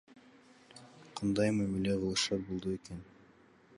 Кандай мамиле кылышат болду экен?